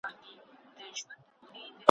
ګاونډیان مي دښمنان دي